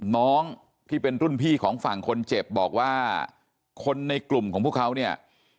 น้องที่เป็นรุ่นพี่ของฝั่งคนเจ็บบอกว่าคนในกลุ่มของพวกเขาเนี่ย